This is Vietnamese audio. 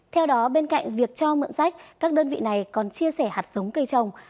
theo đó bên cạnh việc cho mượn sách các đơn vị này còn chia sẻ hạt sống cây trồng